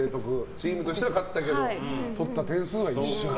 チームとしては勝ったけど取った点数としては一緒。